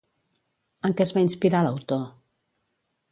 En què es va inspirar l'autor?